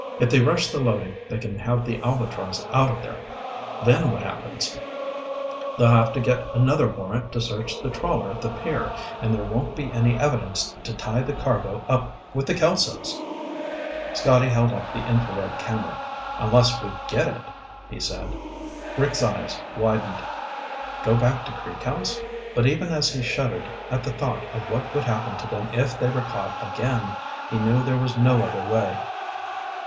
"If they rush the loading, they can have the Albatross out of there. Then what happens? They'll have to get another warrant to search the trawler at the pier, and there won't be any evidence to tie the cargo up with the Kelsos!" Scotty held up the infrared camera. "Unless we get it," he said. Rick's eyes widened. Go back to Creek House? But even as he shuddered at the thought of what would happen to them if they were caught again, he knew there was no other way.